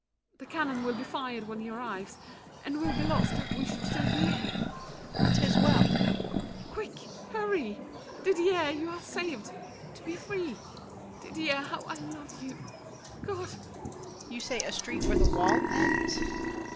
The cannon will be fired when he arrives, And we'll be lost if we should still be here. DIDIER. 'Tis well! MARION. Quick! hurry! Didier, you are saved! To be free! Didier, how I love you—God! DIDIER. You say a street where the wall ends?